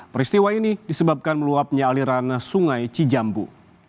peristiwa ini disebabkan meluapnya aliran sungai cijambu